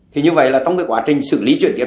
thì như vậy là trong quá trình xử lý chuyển kiệp